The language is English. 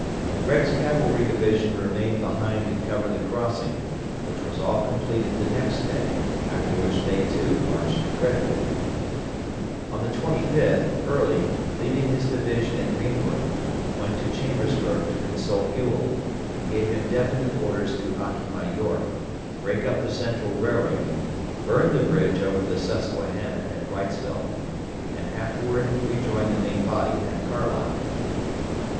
Gregg's cavalry division remained behind to cover the crossing, which was all completed the next day, after which they too marched to Frederick. On the 25th, Early, leaving his division at Greenwood, went to Chambersburg to consult Ewell, who gave him definite orders to occupy York, break up the Central Railroad, burn the bridge over the Susquehanna at Wrightsville, and afterward rejoin the main body at Carlisle.